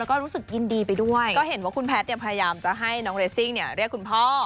ก็เห็นว่าคุณแพทย์เนี่ยพยายามจะให้น้องเรซิ่งเนี่ยเรียกคุณพ่อ